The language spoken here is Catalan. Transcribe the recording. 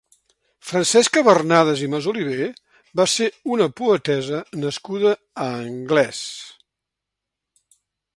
Francesca Barnades i Masoliver va ser una poetessa nascuda a Anglès.